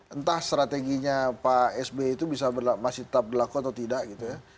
entah strateginya pak sby itu masih tetap berlaku atau tidak gitu ya